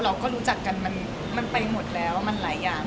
เราก็รู้จักกันมันไปหมดแล้วมันหลายอย่าง